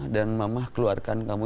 dan mamah keluarkan kamu